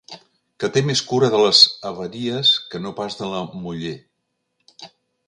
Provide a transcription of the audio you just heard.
Que té més cura de les haveries que no pas de la muller.